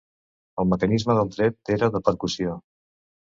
El mecanisme de tret era de percussió.